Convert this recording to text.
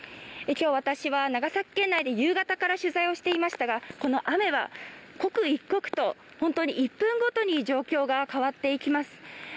今日私は長崎県内で夕方から取材をしていましたが、雨は刻一刻と本当に１分ごとに状況が変わっていきます。